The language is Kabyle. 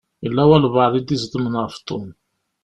Yella walebɛaḍ i d-iẓeḍmen ɣef Tom.